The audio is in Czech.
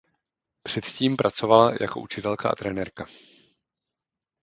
Předtím pracovala jako učitelka a trenérka.